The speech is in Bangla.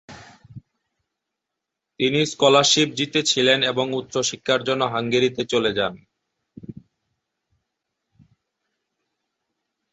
তিনি স্কলারশিপ জিতেছিলেন এবং উচ্চশিক্ষার জন্য হাঙ্গেরিতে চলে যান।